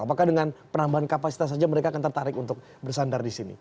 apakah dengan penambahan kapasitas saja mereka akan tertarik untuk bersandar di sini